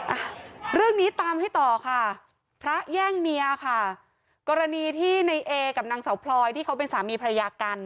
อ่ะเรื่องนี้ตามให้ต่อค่ะพระแย่งเมียค่ะกรณีที่ในเอกับนางเสาพลอยที่เขาเป็นสามีภรรยากัน